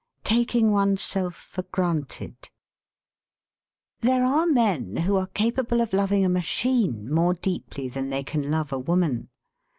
I TAKING ONESELF FOR GRANTED There are men who are capable of loving a machine more deeply than they can love a woman.